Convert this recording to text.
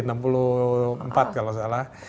ya ada dua puluh empat kalau salah